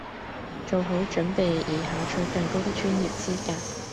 做好準備以考取更高的專業資格